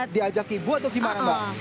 diajak ibu atau gimana mbak